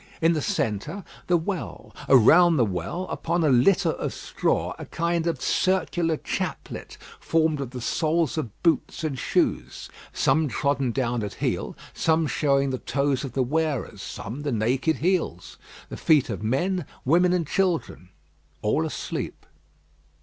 In the centre, the well; around the well, upon a litter of straw, a kind of circular chaplet, formed of the soles of boots and shoes; some trodden down at heel, some showing the toes of the wearers, some the naked heels. The feet of men, women, and children, all asleep.